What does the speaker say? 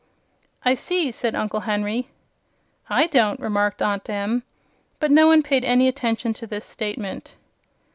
"I see," said Uncle Henry. "I don't," remarked Aunt Em; but no one paid any attention to this statement.